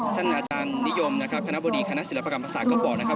ท่านอาจารย์นิยมนะครับคณะบดีคณะศิลปกรรมศาสตร์ก็บอกนะครับ